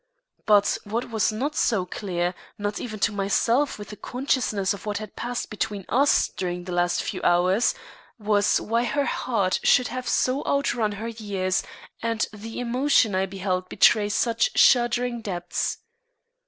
But what was not so clear, not even to myself with the consciousness of what had passed between us during the last few hours, was why her heart should have so outrun her years, and the emotion I beheld betray such shuddering depths.